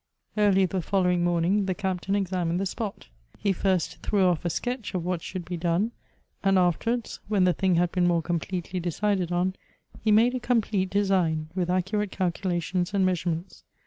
EARLY the following moiiiing the Captain examined the spot : he first threw off a sketch of what should be done, and afterwards, when the thing had been more completely decided on, he made a complete design, with accurate calculations and measurements.